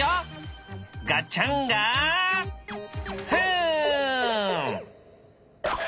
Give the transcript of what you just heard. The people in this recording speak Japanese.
ガチャンガフン！